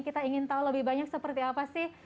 kita ingin tahu lebih banyak seperti apa sih